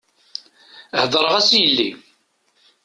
Heḍṛeɣ-as i yelli.